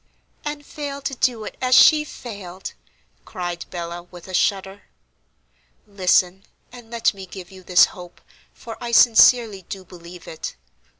"And fail to do it, as she failed!" cried Bella, with a shudder. "Listen, and let me give you this hope, for I sincerely do believe it.